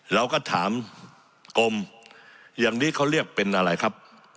เราก็ถามกรมอย่างนี้เขาเรียกเป็นอะไรครับ